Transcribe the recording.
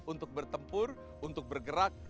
untuk bertempur untuk bergerak